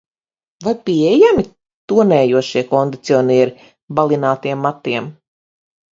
Vai pieejami tonējošie kondicionieri balinātiem matiem?